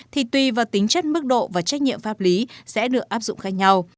thì tùy vào tính chất mức độ và trách nhiệm pháp lý sẽ được áp dụng khác nhau